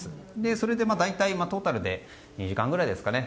それで大体トータルで２時間ぐらいですかね。